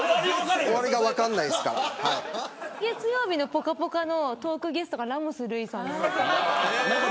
月曜日のぽかぽかのトークゲストがラモス瑠偉さんで。